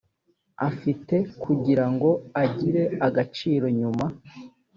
afite kugira ngo agire agaciro nyuma